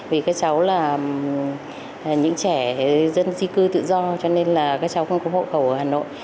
vì các cháu là những trẻ dân di cư tự do cho nên là các cháu không có hộ khẩu ở hà nội